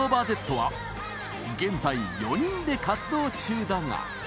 現在４人で活動中だが。